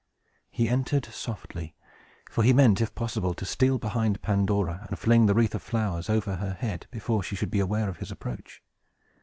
He entered softly; for he meant, if possible, to steal behind Pandora, and fling the wreath of flowers over her head, before she should be aware of his approach.